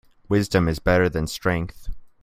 Wisdom is better than strength.